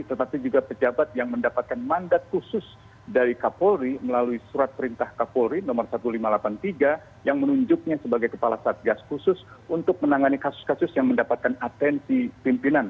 tetapi juga pejabat yang mendapatkan mandat khusus dari kapolri melalui surat perintah kapolri nomor seribu lima ratus delapan puluh tiga yang menunjuknya sebagai kepala satgas khusus untuk menangani kasus kasus yang mendapatkan atensi pimpinan